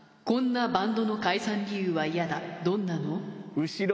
こんなバンドの解散理由はイヤだどんなの？